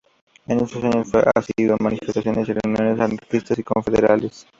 En estos años fue asiduo en manifestaciones y en reuniones anarquistas y confederales.